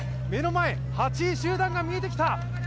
目の前、８位集団が見えてきた。